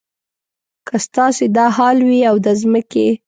که ستاسې دا حال وي او د ځمکې.